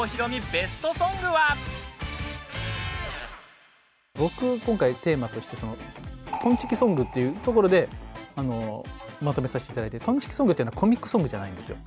ベストソングは？っていうところでまとめさせていただいてトンチキソングていうのはコミックソングじゃないんですよ。